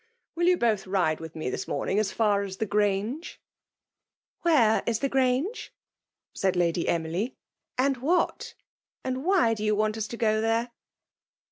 " WiU you both ride vith me this morning as far as the Grange ?"*< Where is the Grange ?'' said Lady Emily, ^ and what, and why do yon want us to go there?"